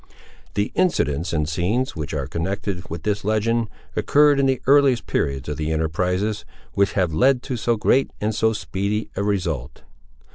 The incidents and scenes which are connected with this legend, occurred in the earliest periods of the enterprises which have led to so great and so speedy a result.